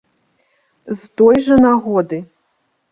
З той жа нагоды.